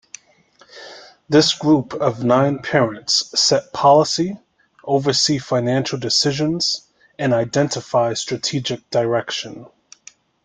This group of nine parents set policy, oversee financial decisions and identify strategic direction.